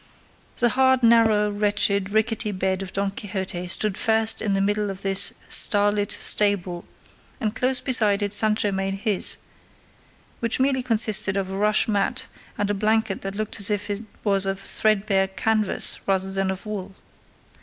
The hard, narrow, wretched, rickety bed of Don Quixote stood first in the middle of this star lit stable, and close beside it Sancho made his, which merely consisted of a rush mat and a blanket that looked as if it was of threadbare canvas rather than of wool.